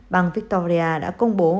bang victoria đã công bố